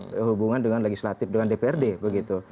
sebuah hubungan dengan legislatif dengan dprd begitu